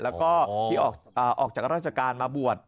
แล้วก็ที่ออกจากราชการมาบวช